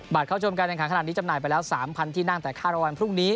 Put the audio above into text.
บัตรเข้าชมกันในขณะนี้จำหน่ายไปแล้วสามพันที่นั่งแต่ค่าระวันพรุ่งนี้